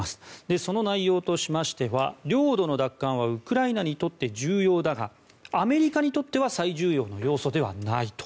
その内容としましては領土の奪還はウクライナにとって重要だがアメリカにとっては最重要の要素ではないと。